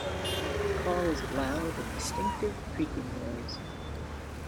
The call is a loud and distinctive creaking noise.